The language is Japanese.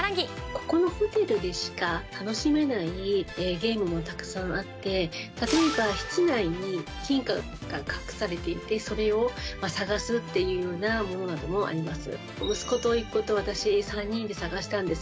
ここのホテルでしか楽しめないゲームもたくさんあって、例えば室内に金貨が隠されていて、それを探すっていうようなものなどもあります。